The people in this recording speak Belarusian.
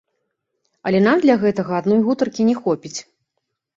Але нам для гэтага адной гутаркі не хопіць.